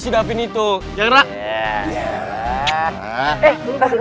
si dapin itu jangan